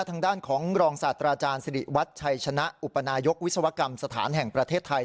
ทางด้านของรองศาสตราจารย์สิริวัตรชัยชนะอุปนายกวิศวกรรมสถานแห่งประเทศไทย